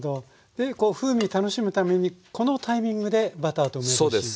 でこう風味楽しむためにこのタイミングでバターと梅干し入れる。